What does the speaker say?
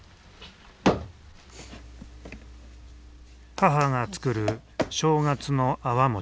母が作る正月のあわ餅。